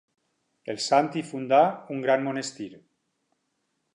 El Sant hi fundà un gran monestir.